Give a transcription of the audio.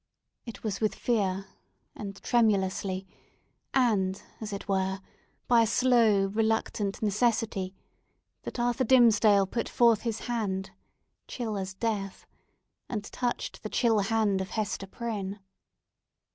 It was with fear, and tremulously, and, as it were, by a slow, reluctant necessity, that Arthur Dimmesdale put forth his hand, chill as death, and touched the chill hand of Hester Prynne.